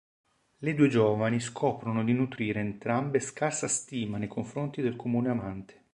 Le due giovani scoprono di nutrire entrambe scarsa stima nei confronti del comune amante.